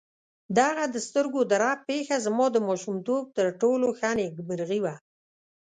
دغه د سترګو د رپ پېښه زما د ماشومتوب تر ټولو ښه نېکمرغي وه.